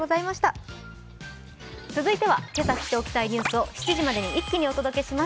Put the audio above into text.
続いてはけさ知っておきたいニュースを７時までに一気にお届けします。